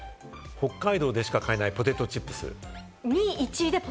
北海道でしか買えないポテトチップス。